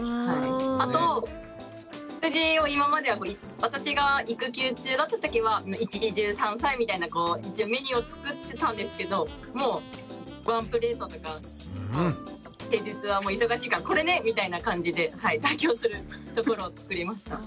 あと食事を今までは私が育休中だったときは一汁三菜みたいな一応メニューを作ってたんですけどもうワンプレートとか平日は忙しいからこれねみたいな感じで妥協するところをつくりました。